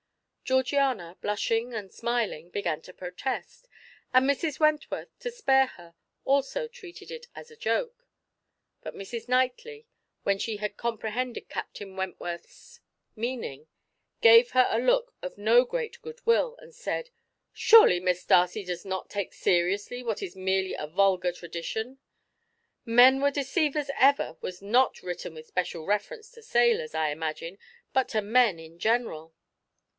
Georgiana, blushing and smiling, began to protest, and Mrs. Wentworth, to spare her, also treated it as a joke, but Mrs. Knightley, when she had comprehended Captain Wentworth's meaning, gave her a look of no great goodwill, and said: "Surely Miss Darcy does not take seriously what is merely a vulgar tradition. 'Men were deceivers ever' was not written with special reference to sailors, I imagine, but to men in general."